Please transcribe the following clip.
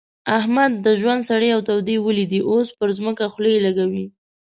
احمد د ژوند سړې او تودې وليدې؛ اوس پر ځمکه خولې لګوي.